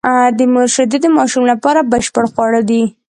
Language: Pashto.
د مور شېدې د ماشوم لپاره بشپړ خواړه دي.